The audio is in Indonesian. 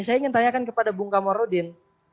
saya ingin tanyakan kepada bung kamarudin